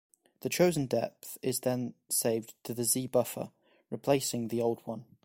The chosen depth is then saved to the z-buffer, replacing the old one.